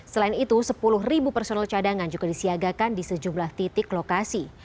selain itu sepuluh personel cadangan juga disiagakan di sejumlah titik lokasi